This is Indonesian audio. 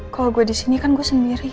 kalau gua di sini kan gua sendirian